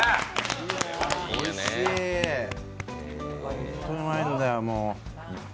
ホントにうまいんだよ、もう。